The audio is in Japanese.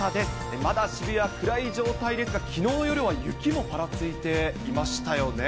まだ渋谷は暗い状態ですが、きのうの夜は雪もぱらついていましたよね。